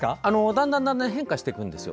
だんだん変化していくんですよ。